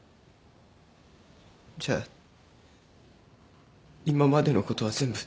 じゃあ今までのことは全部。